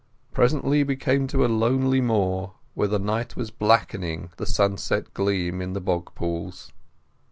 Presently we came to a lonely moor where the night was blackening the sunset gleam in the bog pools.